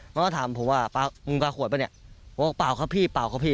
มันก็ถามผมว่าปลามึงปลาขวดป่ะเนี้ยว่าปลาวครับพี่ปลาวครับพี่